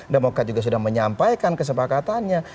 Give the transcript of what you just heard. demokrat juga sudah menyampaikan kesepakatannya